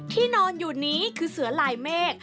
ที่นอนอยู่นี้คือเสือลายเมฆ